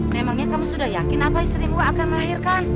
memangnya kamu sudah yakin apa istri buah akan melahirkan